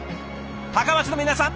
高松の皆さん